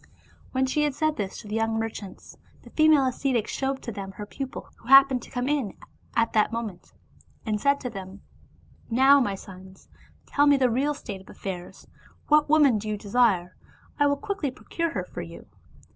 When she had said this to the young merchants, the female ascetic showed to them her pupil who happened to come in at that moment, and said to them, " Now, my sons, tell me the real state of affairs — ^what woman do you de sire? I will quickly procure her for you."